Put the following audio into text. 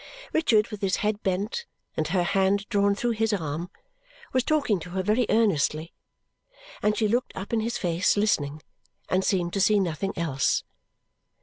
Richard with his head bent, and her hand drawn through his arm, was talking to her very earnestly; and she looked up in his face, listening, and seemed to see nothing else.